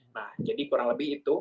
nah jadi kurang lebih itu